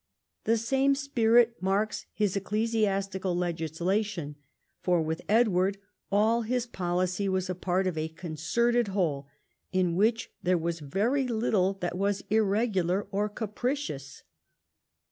The same spirit marks his ecclesiastical legislation, for with Edward all his policy was a part of a concerted whole, in which there was very little that was irregular or capricious.